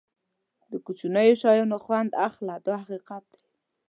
د کوچنیو شیانو خوند اخله دا حقیقت دی.